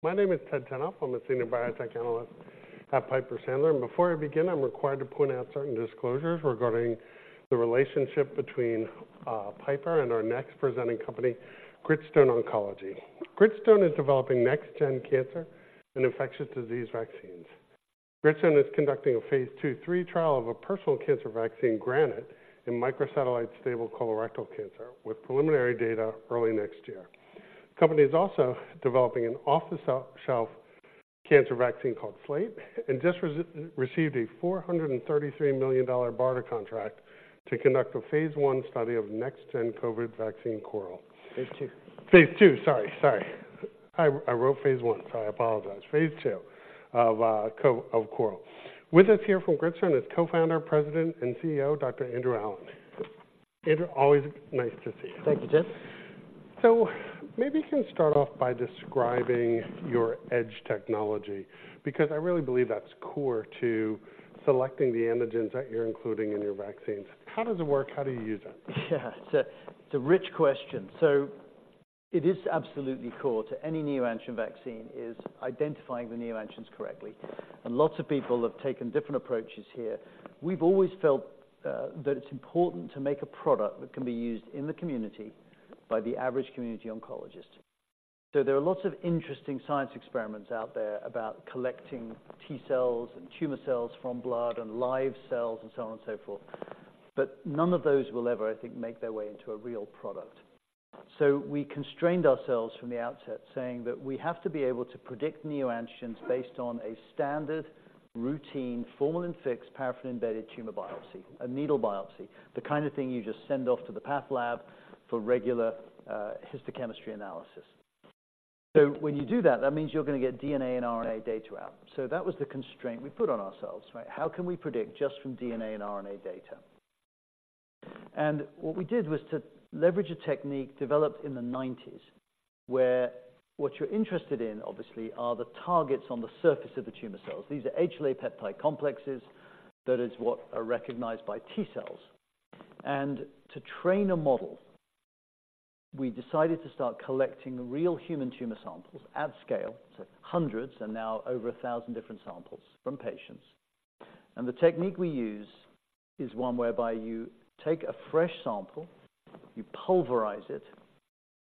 My name is Ted Tenthoff. I'm a senior biotech analyst at Piper Sandler. Before I begin, I'm required to point out certain disclosures regarding the relationship between Piper and our next presenting company, Gritstone Bio. Gritstone Bio is developing next-gen cancer and infectious disease vaccines. Gritstone Bio is conducting a phase II/III trial of a personal cancer vaccine, GRANITE, in microsatellite stable colorectal cancer, with preliminary data early next year. The company is also developing an off-the-shelf cancer vaccine called SLATE, and just received a $433 million BARDA contract to conduct a phase I study of next-gen COVID vaccine CORAL. Phase II. Phase II, sorry. Sorry. I wrote phase I, so I apologize. Phase II of CORAL. With us here from Gritstone is Co-founder, President, and CEO, Dr. Andrew Allen. Andrew, always nice to see you. Thank you, Ted. So maybe you can start off by describing your EDGE technology, because I really believe that's core to selecting the antigens that you're including in your vaccines. How does it work? How do you use it? Yeah, it's a rich question. So it is absolutely core to any neoantigen vaccine, is identifying the neoantigens correctly. And lots of people have taken different approaches here. We've always felt that it's important to make a product that can be used in the community by the average community oncologist. So there are lots of interesting science experiments out there about collecting T-cells and tumor cells from blood and live cells and so on and so forth, but none of those will ever, I think, make their way into a real product. So we constrained ourselves from the outset, saying that we have to be able to predict neoantigens based on a standard, routine, formalin-fixed paraffin-embedded tumor biopsy, a needle biopsy, the kind of thing you just send off to the path lab for regular histochemistry analysis. So when you do that, that means you're going to get DNA and RNA data out. So that was the constraint we put on ourselves, right? How can we predict just from DNA and RNA data? And what we did was to leverage a technique developed in the nineties, where what you're interested in, obviously, are the targets on the surface of the tumor cells. These are HLA peptide complexes, that is what are recognized by T cells. And to train a model, we decided to start collecting real human tumor samples at scale, so hundreds and now over 1,000 different samples from patients. And the technique we use is one whereby you take a fresh sample, you pulverize it,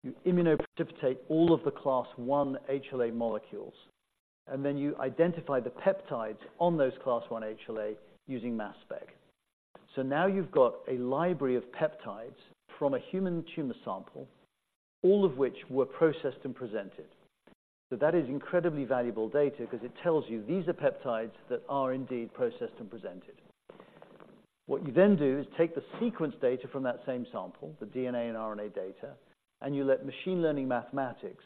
you immunoprecipitate all of the Class I HLA molecules, and then you identify the peptides on those Class I HLA using mass spec. So now you've got a library of peptides from a human tumor sample, all of which were processed and presented. That is incredibly valuable data because it tells you these are peptides that are indeed processed and presented. What you then do is take the sequence data from that same sample, the DNA and RNA data, and you let machine learning mathematics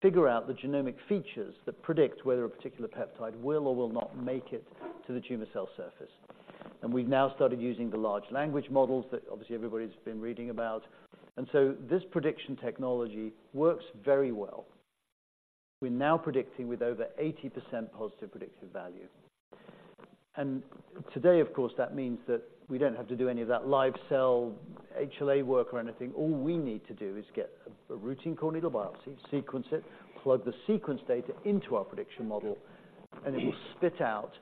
figure out the genomic features that predict whether a particular peptide will or will not make it to the tumor cell surface. We've now started using the large language models that obviously everybody's been reading about. This prediction technology works very well. We're now predicting with over 80% positive predictive value. Today, of course, that means that we don't have to do any of that live cell HLA work or anything. All we need to do is get a routine core needle biopsy, sequence it, plug the sequence data into our prediction model, and it will spit out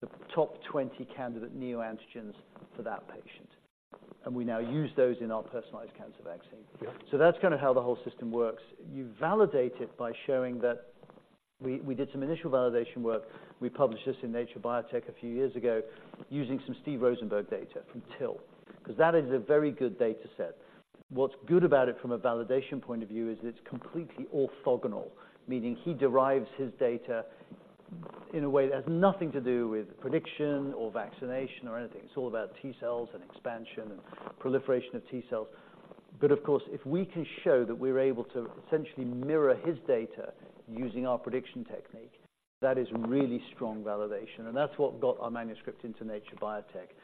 the top 20 candidate neoantigens for that patient. We now use those in our personalized cancer vaccine. Yeah. So that's kind of how the whole system works. You validate it by showing that... We did some initial validation work. We published this in Nature Biotech a few years ago, using some Steven Rosenberg data from TIL, because that is a very good data set. What's good about it from a validation point of view is it's completely orthogonal, meaning he derives his data in a way that has nothing to do with prediction or vaccination or anything. It's all about T cells and expansion and proliferation of T cells. But of course, if we can show that we're able to essentially mirror his data using our prediction technique, that is really strong validation, and that's what got our manuscript into Nature Biotech.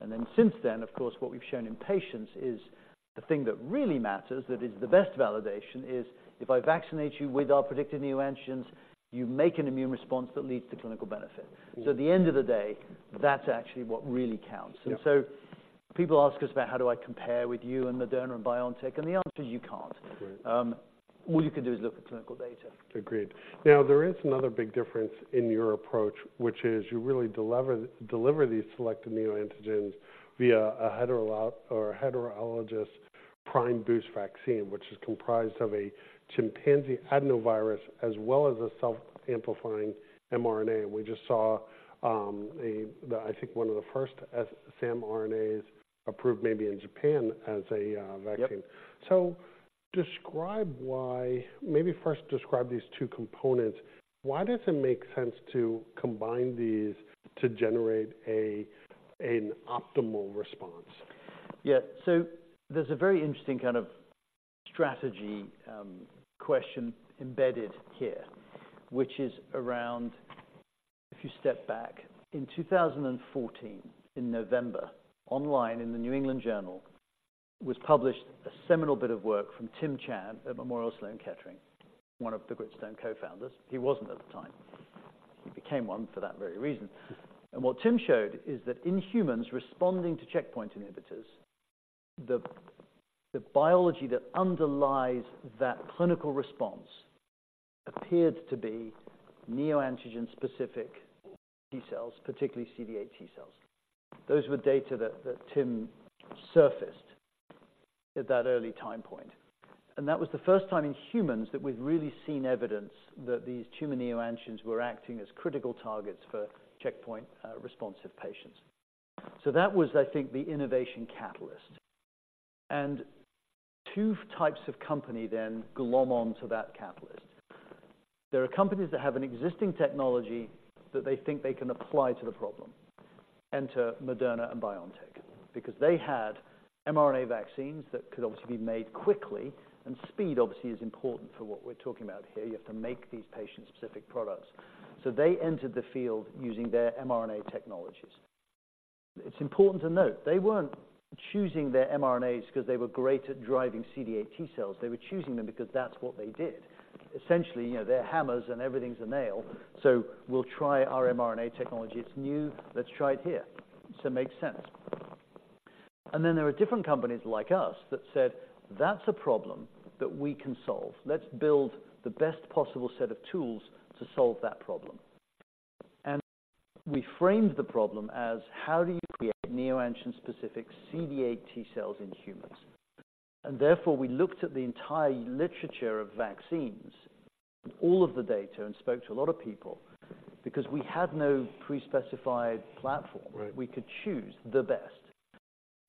Then since then, of course, what we've shown in patients is the thing that really matters, that is the best validation, is if I vaccinate you with our predicted neoantigens, you make an immune response that leads to clinical benefit. Mm. At the end of the day, that's actually what really counts. Yeah. And so people ask us about how do I compare with you and Moderna and BioNTech, and the answer is you can't. Right. All you can do is look at clinical data. Agreed. Now, there is another big difference in your approach, which is you really deliver these selected neoantigens via a heterologous prime-boost vaccine, which is comprised of a chimpanzee adenovirus as well as a self-amplifying mRNA. We just saw, I think one of the first samRNAs approved maybe in Japan as a vaccine. Yep. Describe why—maybe first describe these two components. Why does it make sense to combine these to generate a, an optimal response? Yeah. So there's a very interesting kind of strategy, question embedded here, which is around... If you step back, in 2014, in November, online in the New England Journal, was published a seminal bit of work from Tim Chan at Memorial Sloan Kettering, one of the Gritstone co-founders. He wasn't at the time.... became one for that very reason. And what Tim showed is that in humans responding to checkpoint inhibitors, the biology that underlies that clinical response appeared to be neoantigen-specific T cells, particularly CD8 T cells. Those were data that Tim surfaced at that early time point, and that was the first time in humans that we've really seen evidence that these tumor neoantigens were acting as critical targets for checkpoint responsive patients. So that was, I think, the innovation catalyst. And two types of company then glom onto that catalyst. There are companies that have an existing technology that they think they can apply to the problem. Enter Moderna and BioNTech, because they had mRNA vaccines that could obviously be made quickly, and speed obviously is important for what we're talking about here. You have to make these patient-specific products. So they entered the field using their mRNA technologies. It's important to note, they weren't choosing their mRNAs because they were great at driving CD8 T cells. They were choosing them because that's what they did. Essentially, you know, they're hammers and everything's a nail, so we'll try our mRNA technology. It's new. Let's try it here. So it makes sense. Then there are different companies like us that said, "That's a problem that we can solve. Let's build the best possible set of tools to solve that problem." We framed the problem as: how do you create neoantigen-specific CD8 T cells in humans? And therefore, we looked at the entire literature of vaccines, all of the data, and spoke to a lot of people because we had no pre-specified platform. Right. We could choose the best,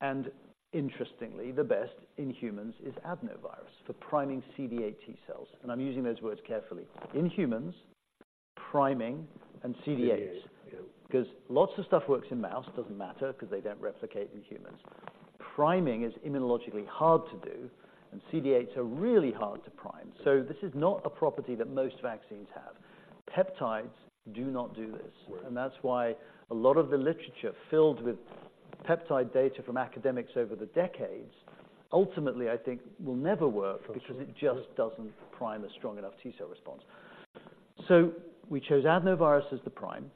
and interestingly, the best in humans is adenovirus for priming CD8 T cells. And I'm using those words carefully. In humans, priming and CD8- CD8, yeah. 'Cause lots of stuff works in mouse. Doesn't matter, 'cause they don't replicate in humans. Priming is immunologically hard to do, and CD8s are really hard to prime. Right. So this is not a property that most vaccines have. Peptides do not do this. Right. That's why a lot of the literature filled with peptide data from academics over the decades, ultimately, I think will never work- For sure.... because it just doesn't prime a strong enough T cell response. So we chose adenovirus as the prime,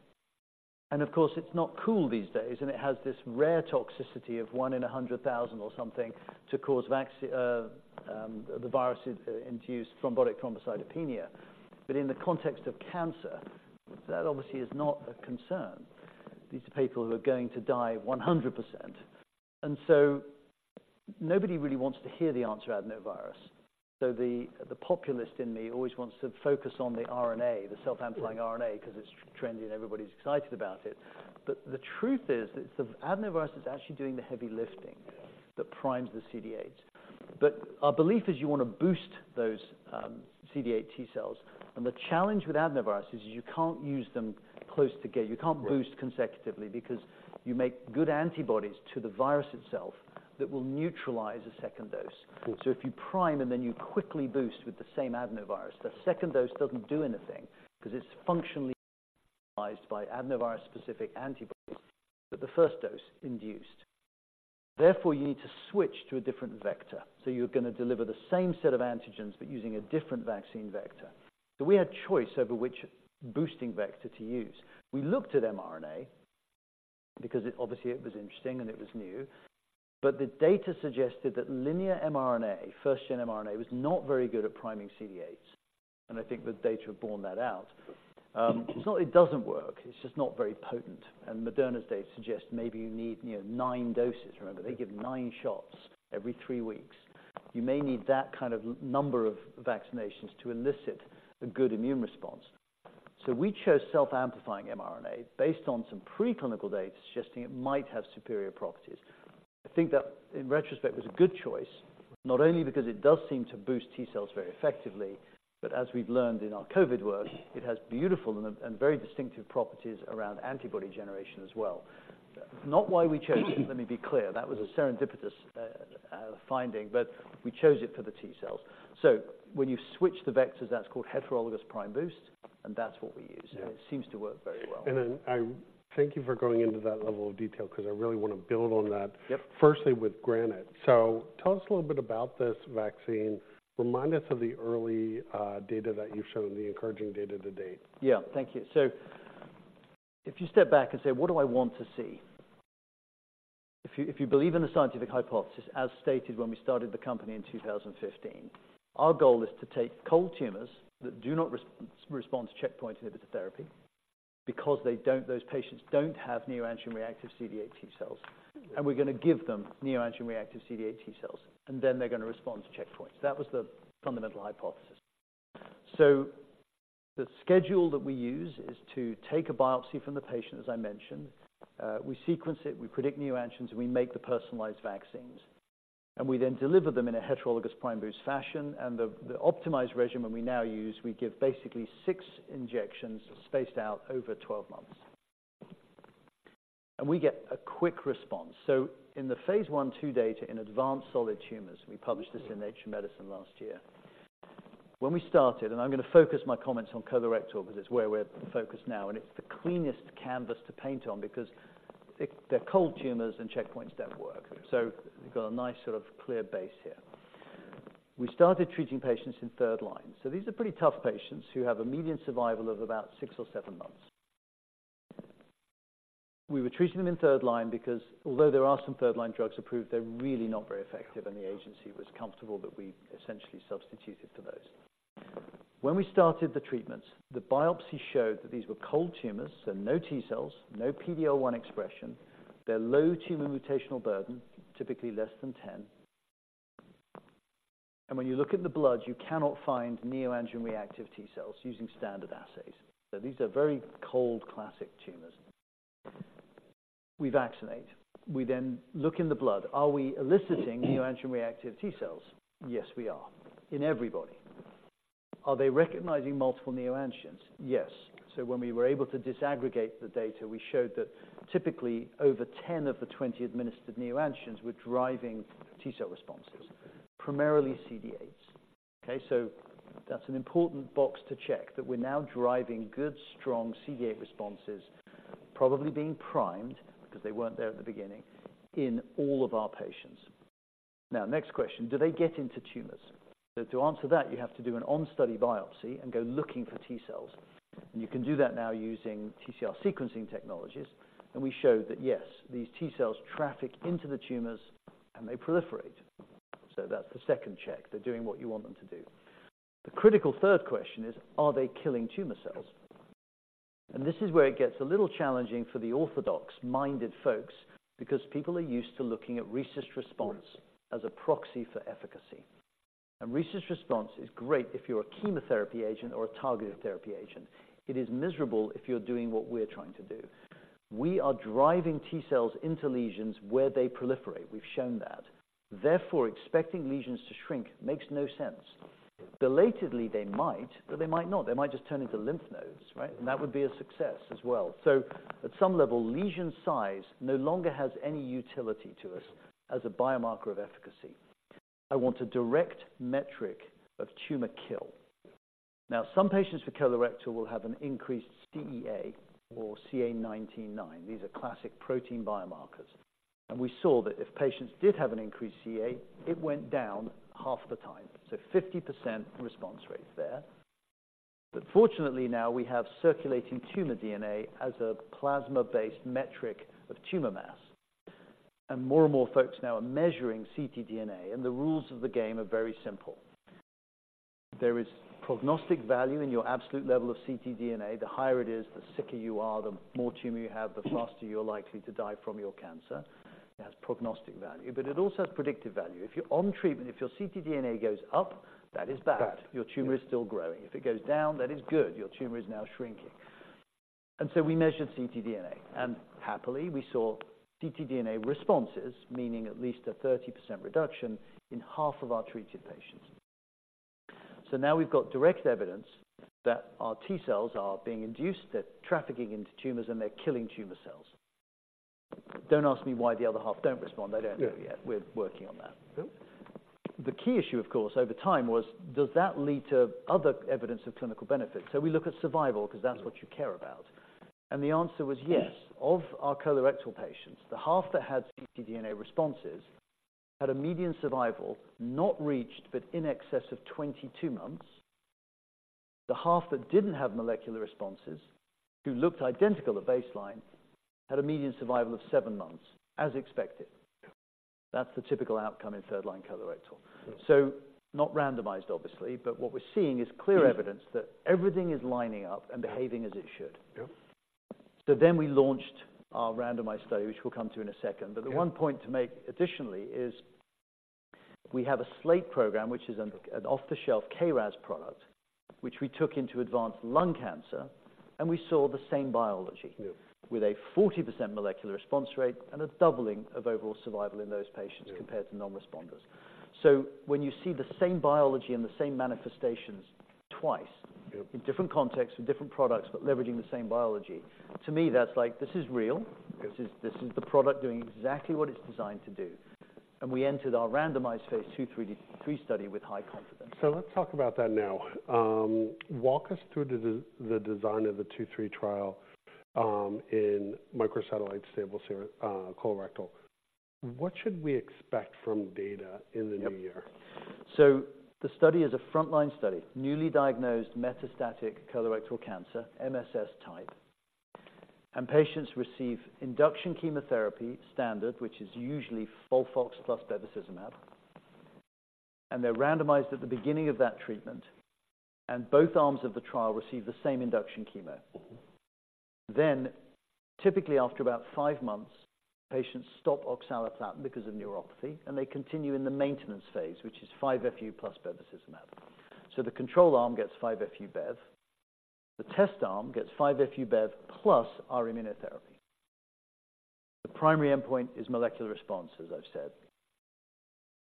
and of course, it's not cool these days, and it has this rare toxicity of 1 in 100,000 or something to cause the vaccine-induced thrombotic thrombocytopenia. But in the context of cancer, that obviously is not a concern. These are people who are going to die 100%, and so nobody really wants to hear the answer, adenovirus. So the populist in me always wants to focus on the RNA, the self-amplifying mRNA- Yeah.... 'cause it's trendy and everybody's excited about it. But the truth is that the adenovirus is actually doing the heavy lifting- Yeah.... that primes the CD8. But our belief is you want to boost those, CD8 T cells, and the challenge with adenovirus is you can't use them close together. Right. You can't boost consecutively because you make good antibodies to the virus itself that will neutralize the second dose. Sure. So if you prime and then you quickly boost with the same adenovirus, the second dose doesn't do anything because it's functionally utilized by adenovirus-specific antibodies, but the first dose induced. Therefore, you need to switch to a different vector. So you're gonna deliver the same set of antigens, but using a different vaccine vector. So we had choice over which boosting vector to use. We looked at mRNA because it, obviously, it was interesting and it was new, but the data suggested that linear mRNA, first-gen mRNA, was not very good at priming CD8s, and I think the data borne that out. It's not it doesn't work, it's just not very potent. And Moderna's data suggests maybe you need, you know, nine doses. Remember, they give nine shots every three weeks. You may need that kind of number of vaccinations to elicit a good immune response. So we chose self-amplifying mRNA based on some preclinical data suggesting it might have superior properties. I think that, in retrospect, was a good choice, not only because it does seem to boost T cells very effectively, but as we've learned in our COVID work, it has beautiful and very distinctive properties around antibody generation as well. Not why we chose it, let me be clear, that was a serendipitous finding, but we chose it for the T cells. So when you switch the vectors, that's called heterologous prime-boost, and that's what we use. Yeah. It seems to work very well. And then I thank you for going into that level of detail because I really want to build on that- Yep. Firstly, with GRANITE. So tell us a little bit about this vaccine. Remind us of the early, data that you've shown, the encouraging data to date. Yeah, thank you. So if you step back and say, "What do I want to see?" If you believe in the scientific hypothesis, as stated when we started the company in 2015, our goal is to take cold tumors that do not respond to checkpoint inhibitor therapy because they don't, those patients don't have neoantigen-reactive CD8 T cells, and we're gonna give them neoantigen-reactive CD8 T cells, and then they're gonna respond to checkpoints. That was the fundamental hypothesis. So the schedule that we use is to take a biopsy from the patient, as I mentioned. We sequence it, we predict neoantigens, and we make the personalized vaccines, and we then deliver them in a heterologous prime boost fashion. And the, the optimized regimen we now use, we give basically 6 injections spaced out over 12 months, and we get a quick response. So in the phase I/II data in advanced solid tumors, we published this in Nature Medicine last year. When we started, and I'm gonna focus my comments on colorectal because it's where we're focused now, and it's the cleanest canvas to paint on because it, they're cold tumors and checkpoints don't work. So we've got a nice sort of clear base here.... We started treating patients in third line. So these are pretty tough patients who have a median survival of about six or seven months. We were treating them in third line because although there are some third-line drugs approved, they're really not very effective, and the agency was comfortable that we essentially substituted for those. When we started the treatments, the biopsy showed that these were cold tumors, so no T cells, no PD-L1 expression. They're low tumor mutational burden, typically less than 10. When you look at the blood, you cannot find neoantigen reactive T cells using standard assays. So these are very cold, classic tumors. We vaccinate. We then look in the blood. Are we eliciting neoantigen reactive T cells? Yes, we are, in everybody. Are they recognizing multiple neoantigens? Yes. So when we were able to disaggregate the data, we showed that typically over 10 of the 20 administered neoantigens were driving T cell responses, primarily CD8s. Okay, so that's an important box to check, that we're now driving good, strong CD8 responses, probably being primed, because they weren't there at the beginning, in all of our patients. Now, next question: Do they get into tumors? So to answer that, you have to do an on-study biopsy and go looking for T cells, and you can do that now using TCR sequencing technologies. And we showed that, yes, these T cells traffic into the tumors and they proliferate. So that's the second check. They're doing what you want them to do. The critical third question is: Are they killing tumor cells? And this is where it gets a little challenging for the orthodox-minded folks, because people are used to looking at RECIST response as a proxy for efficacy. A RECIST response is great if you're a chemotherapy agent or a targeted therapy agent. It is miserable if you're doing what we're trying to do. We are driving T cells into lesions where they proliferate. We've shown that. Therefore, expecting lesions to shrink makes no sense. Belatedly, they might, but they might not. They might just turn into lymph nodes, right? And that would be a success as well. At some level, lesion size no longer has any utility to us as a biomarker of efficacy. I want a direct metric of tumor kill. Now, some patients with colorectal will have an increased CEA or CA 19-9. These are classic protein biomarkers, and we saw that if patients did have an increased CEA, it went down half the time, so 50% response rate there. Fortunately, now we have circulating tumor DNA as a plasma-based metric of tumor mass, and more and more folks now are measuring ctDNA, and the rules of the game are very simple. There is prognostic value in your absolute level of ctDNA. The higher it is, the sicker you are, the more tumor you have, the faster you're likely to die from your cancer. It has prognostic value, but it also has predictive value. If you're on treatment, if your ctDNA goes up, that is bad. Your tumor is still growing. If it goes down, that is good. Your tumor is now shrinking. And so we measured ctDNA, and happily, we saw ctDNA responses, meaning at least a 30% reduction in half of our treated patients. So now we've got direct evidence that our T cells are being induced, they're trafficking into tumors, and they're killing tumor cells. Don't ask me why the other half don't respond. I don't know yet. Yeah. We're working on that. Good. The key issue, of course, over time, was, does that lead to other evidence of clinical benefit? We look at survival because that's what you care about. The answer was yes. Of our colorectal patients, the half that had ctDNA responses had a median survival, not reached, but in excess of 22 months. The half that didn't have molecular responses, who looked identical at baseline, had a median survival of 7 months, as expected. That's the typical outcome in third-line colorectal. Yeah. So not randomized, obviously, but what we're seeing is clear evidence that everything is lining up and behaving as it should. Yep. We launched our randomized study, which we'll come to in a second. Yeah. But the one point to make additionally is we have a SLATE program, which is an off-the-shelf KRAS product, which we took into advanced lung cancer, and we saw the same biology. Yeah.... with a 40% molecular response rate and a doubling of overall survival in those patients- Yeah. - compared to non-responders. So when you see the same biology and the same manifestations twice- Yep. In different contexts with different products, but leveraging the same biology, to me, that's like, this is real. Yeah. This is the product doing exactly what it's designed to do. We entered our randomized phase II/III study with high confidence. So let's talk about that now. Walk us through the design of the II/III trial in microsatellite stable colorectal. What should we expect from data in the new year? Yep. So the study is a frontline study, newly diagnosed metastatic colorectal cancer, MSS type, and patients receive induction chemotherapy standard, which is usually FOLFOX plus bevacizumab, and they're randomized at the beginning of that treatment, and both arms of the trial receive the same induction chemo. Mm-hmm. Then, typically after about 5 months, patients stop oxaliplatin because of neuropathy, and they continue in the maintenance phase, which is 5-FU plus bevacizumab. So the control arm gets 5-FU Bev. The test arm gets 5-FU Bev plus our immunotherapy. The primary endpoint is molecular response, as I've said.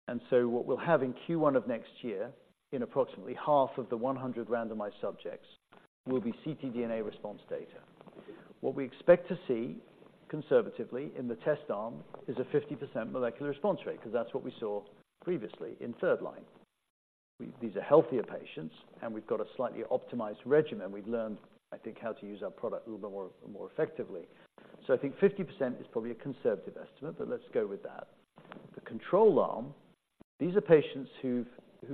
And so what we'll have in Q1 of next year, in approximately half of the 100 randomized subjects, will be ctDNA response data. What we expect to see, conservatively, in the test arm is a 50% molecular response rate, because that's what we saw previously in third line. These are healthier patients, and we've got a slightly optimized regimen. We've learned, I think, how to use our product a little bit more, more effectively... So I think 50% is probably a conservative estimate, but let's go with that. The control arm, these are patients who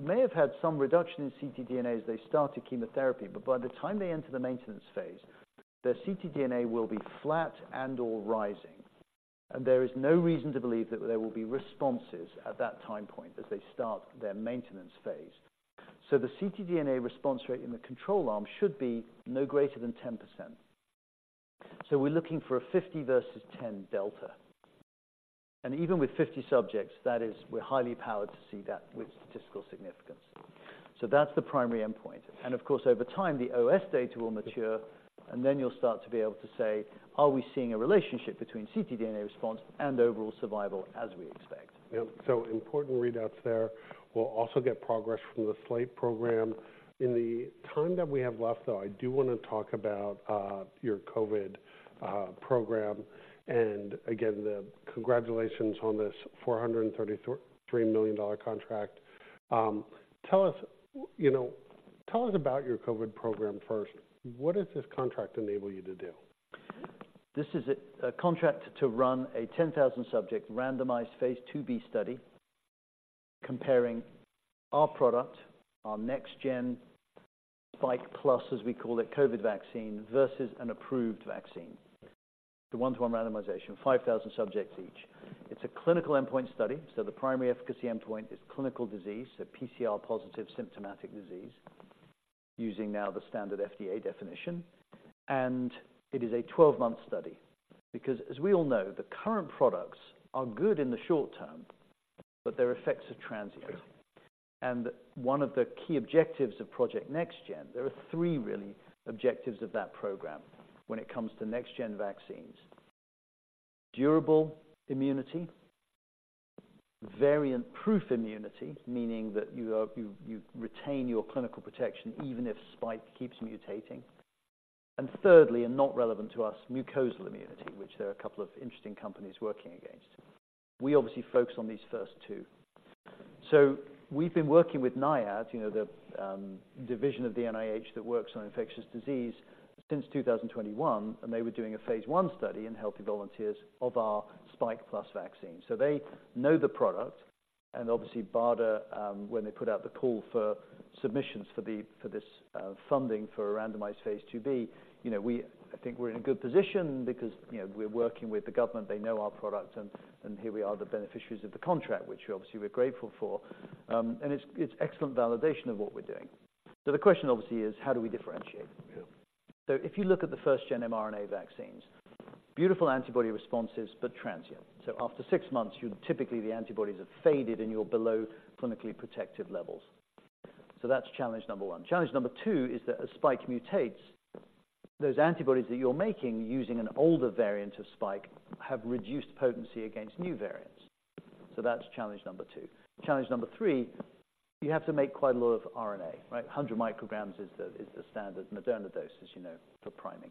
may have had some reduction in ctDNA as they started chemotherapy, but by the time they enter the maintenance phase, their ctDNA will be flat and/or rising, and there is no reason to believe that there will be responses at that time point as they start their maintenance phase. The ctDNA response rate in the control arm should be no greater than 10%. We're looking for a 50 versus 10 delta. Even with 50 subjects, that is, we're highly powered to see that with statistical significance. That's the primary endpoint. Of course, over time, the OS data will mature, and then you'll start to be able to say, "Are we seeing a relationship between ctDNA response and overall survival, as we expect? Yeah. So important readouts there. We'll also get progress from the SLATE program. In the time that we have left, though, I do want to talk about your COVID program. And again, the congratulations on this $433 million contract. Tell us, you know, tell us about your COVID program first. What does this contract enable you to do? This is a contract to run a 10,000-subject randomized phase IIb study, comparing our product, our next gen Spike Plus, as we call it, COVID vaccine, versus an approved vaccine. The 1:1 randomization, 5,000 subjects each. It's a clinical endpoint study, so the primary efficacy endpoint is clinical disease, so PCR positive symptomatic disease, using now the standard FDA definition. And it is a 12-month study, because as we all know, the current products are good in the short term, but their effects are transient. And one of the key objectives of Project NextGen, there are three really objectives of that program when it comes to next gen vaccines: durable immunity, variant-proof immunity, meaning that you retain your clinical protection even if Spike keeps mutating. Thirdly, and not relevant to us, mucosal immunity, which there are a couple of interesting companies working against. We obviously focus on these first two. So we've been working with NIAID, you know, the division of the NIH that works on infectious disease, since 2021, and they were doing a phase I study in healthy volunteers of our Spike Plus vaccine. So they know the product, and obviously, BARDA, when they put out the call for submissions for this funding for a randomized phase IIb, you know, we, I think we're in a good position because, you know, we're working with the government, they know our product, and here we are, the beneficiaries of the contract, which obviously we're grateful for. And it's excellent validation of what we're doing. So the question obviously is: How do we differentiate? Yeah. So if you look at the first-gen mRNA vaccines, beautiful antibody responses, but transient. So after six months, you typically, the antibodies have faded and you're below clinically protective levels. So that's challenge number one. Challenge number two is that as Spike mutates, those antibodies that you're making using an older variant of Spike have reduced potency against new variants. So that's challenge number two. Challenge number three, you have to make quite a lot of RNA, right? 100 mcg is the, is the standard Moderna dose, as you know, for priming.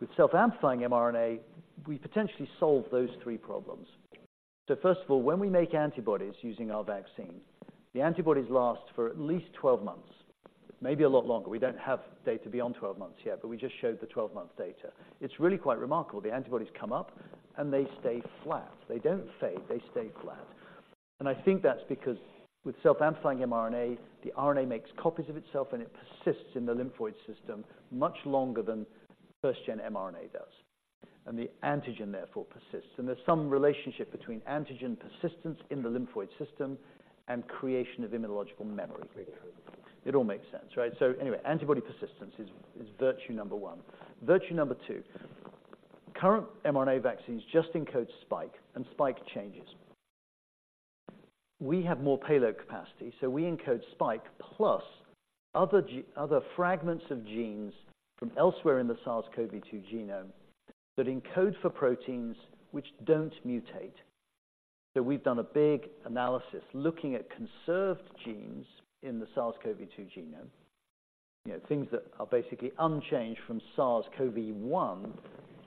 With self-amplifying mRNA, we potentially solve those three problems. So first of all, when we make antibodies using our vaccine, the antibodies last for at least 12 months, maybe a lot longer. We don't have data beyond 12 months yet, but we just showed the 12-month data. It's really quite remarkable. The antibodies come up and they stay flat. They don't fade, they stay flat. I think that's because with self-amplifying mRNA, the RNA makes copies of itself and it persists in the lymphoid system much longer than first gen mRNA does, and the antigen therefore persists. There's some relationship between antigen persistence in the lymphoid system and creation of immunological memory. Great. It all makes sense, right? So anyway, antibody persistence is virtue number one. Virtue number two, current mRNA vaccines just encode Spike, and Spike changes. We have more payload capacity, so we encode Spike plus other fragments of genes from elsewhere in the SARS-CoV-2 genome that encode for proteins which don't mutate. So we've done a big analysis looking at conserved genes in the SARS-CoV-2 genome, you know, things that are basically unchanged from SARS-CoV-1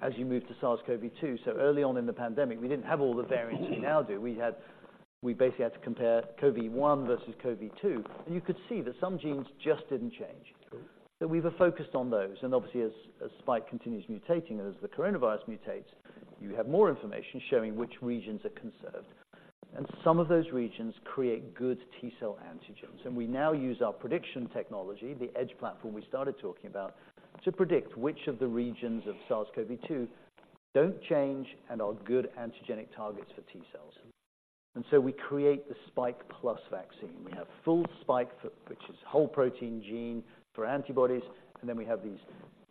as you move to SARS-CoV-2. So early on in the pandemic, we didn't have all the variants we now do. We basically had to compare CoV1 versus CoV2, and you could see that some genes just didn't change. Okay. So we were focused on those, and obviously, as Spike continues mutating and as the coronavirus mutates, you have more information showing which regions are conserved. And some of those regions create good T-cell antigens. And we now use our prediction technology, the EDGE platform we started talking about, to predict which of the regions of SARS-CoV-2 don't change and are good antigenic targets for T-cells. And so we create the Spike Plus vaccine. We have full Spike, for which is whole protein gene for antibodies, and then we have these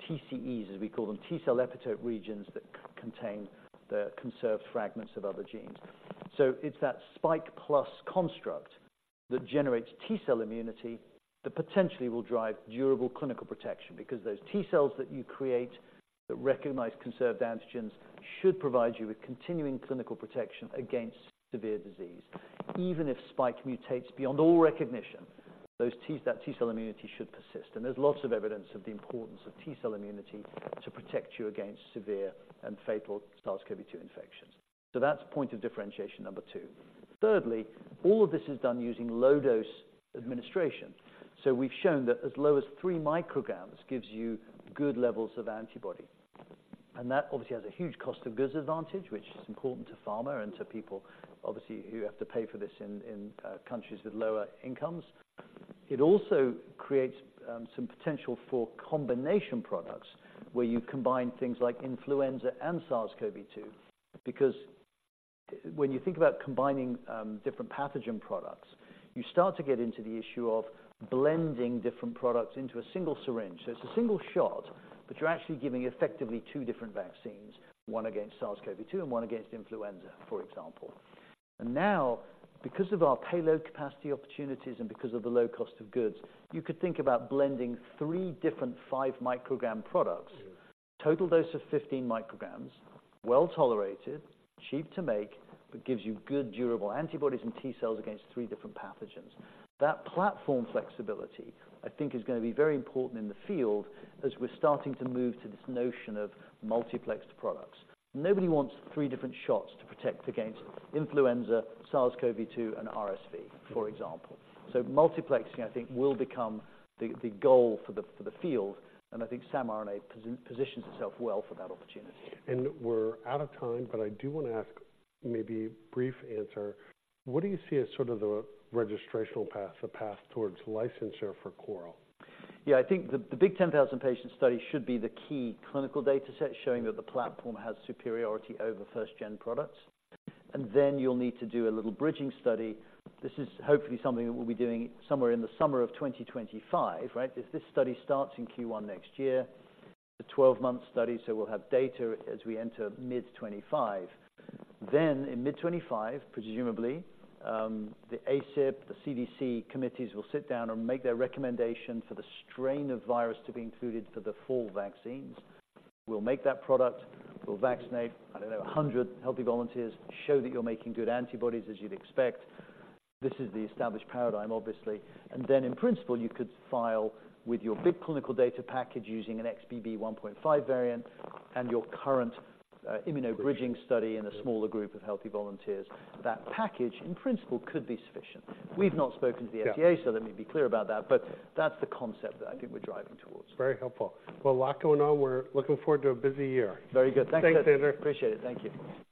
TCEs, as we call them, T-cell epitope regions, that contain the conserved fragments of other genes. So it's that Spike Plus construct that generates T-cell immunity that potentially will drive durable clinical protection, because those T-cells that you create, that recognize conserved antigens, should provide you with continuing clinical protection against severe disease. Even if Spike mutates beyond all recognition, that T-cell immunity should persist. And there's lots of evidence of the importance of T-cell immunity to protect you against severe and fatal SARS-CoV-2 infections. So that's point of differentiation number two. Thirdly, all of this is done using low dose administration. So we've shown that as low as 3 mcg gives you good levels of antibody, and that obviously has a huge cost of goods advantage, which is important to pharma and to people, obviously, who have to pay for this in countries with lower incomes. It also creates some potential for combination products, where you combine things like influenza and SARS-CoV-2. Because when you think about combining different pathogen products, you start to get into the issue of blending different products into a single syringe. So it's a single shot, but you're actually giving effectively two different vaccines, one against SARS-CoV-2 and one against influenza, for example. And now, because of our payload capacity opportunities and because of the low cost of goods, you could think about blending three different 5 mcg products. Total dose of 15 mcg, well-tolerated, cheap to make, but gives you good, durable antibodies and T cells against three different pathogens. That platform flexibility, I think, is gonna be very important in the field as we're starting to move to this notion of multiplexed products. Nobody wants three different shots to protect against influenza, SARS-CoV-2, and RSV, for example. So multiplexing, I think, will become the goal for the field, and I think samRNA positions itself well for that opportunity. We're out of time, but I do want to ask, maybe brief answer: What do you see as sort of the registrational path, the path towards licensure for CORAL? Yeah, I think the big 10,000 patient study should be the key clinical data set, showing that the platform has superiority over first gen products. Then you'll need to do a little bridging study. This is hopefully something that we'll be doing somewhere in the summer of 2025, right? If this study starts in Q1 next year, it's a 12-month study, so we'll have data as we enter mid 2025. Then in mid 2025, presumably, the ACIP, the CDC committees will sit down and make their recommendation for the strain of virus to be included for the fall vaccines. We'll make that product. We'll vaccinate, I don't know, 100 healthy volunteers, show that you're making good antibodies, as you'd expect. This is the established paradigm, obviously. Then in principle, you could file with your big clinical data package using an XBB.1.5 variant and your current immunobridging study in a smaller group of healthy volunteers. That package, in principle, could be sufficient. We've not spoken to the FDA- Yeah. Let me be clear about that, but that's the concept that I think we're driving towards. Very helpful. Well, a lot going on. We're looking forward to a busy year. Very good. Thanks. Thanks, Andrew. Appreciate it. Thank you.